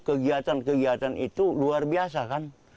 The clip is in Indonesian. kegiatan kegiatan itu luar biasa kan